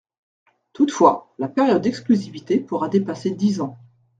Toutefois, la période d’exclusivité pourra dépasser dix ans.